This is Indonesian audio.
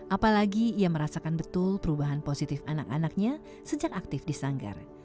apalagi ia merasakan betul perubahan positif anak anaknya sejak aktif di sanggar